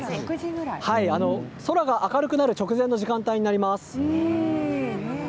空が明るくなる直前の時間帯になります。